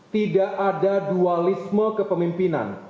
tidak ada dualisme kepemimpinan